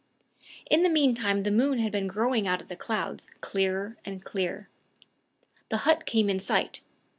In the mean time the moon had been growing out of the clouds, clearer and clearer. The hut came in sight.